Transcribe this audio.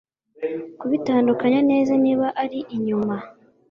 kubitandukanya neza niba atari inyuma